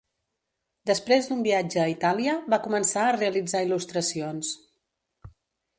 Després d'un viatge a Itàlia, va començar a realitzar il·lustracions.